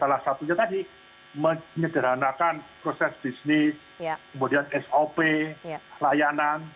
salah satunya tadi menyederhanakan proses bisnis kemudian sop layanan